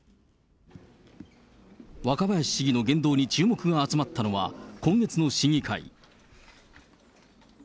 若林市議の言動に注目が集まったのは、今月の市議会。